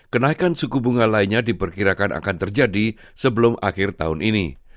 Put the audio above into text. kenaikan suku bunga lainnya diperkirakan akan terjadi sebelum akhir tahun ini